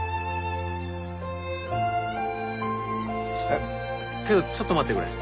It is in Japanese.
えっけどちょっと待ってくれ。